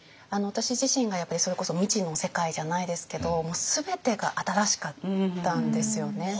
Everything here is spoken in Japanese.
私自身がやっぱりそれこそ未知の世界じゃないですけどもう全てが新しかったんですよね。